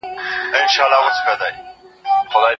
کُنت د لرغوني يونان د پوهانو په څېر فکر کاوه.